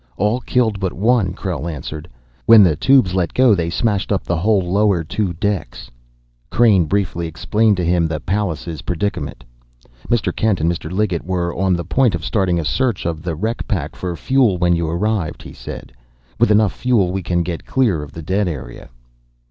"All killed but one," Krell answered. "When the tubes let go they smashed up the whole lower two decks." Crain briefly explained to him the Pallas' predicament. "Mr. Kent and Mr. Liggett were on the point of starting a search of the wreck pack for fuel when you arrived," he said, "With enough fuel we can get clear of the dead area."